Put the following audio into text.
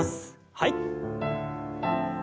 はい。